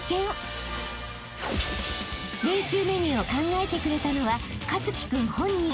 ［練習メニューを考えてくれたのは一輝君本人］